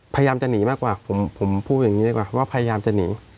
พยายามจะหนีมากกว่าผมพูดอย่างนี้ดีกว่าว่าพยายามจะหนี